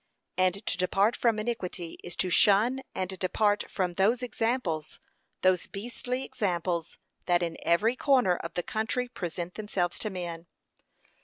And to depart from iniquity is to shun and depart from those examples, those beastly examples, that in every corner of the country present themselves to men.